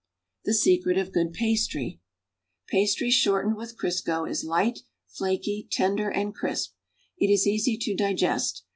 THE SECRET OF GOOD PASTRY Pastry shortened with Crisco is light, flaky, tender and crisp. It is easy to digest.